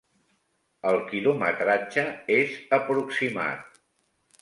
El quilometratge és aproximat.